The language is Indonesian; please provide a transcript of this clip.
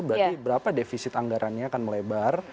berarti berapa defisit anggarannya akan melebar